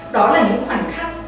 đó là những khoảnh khắc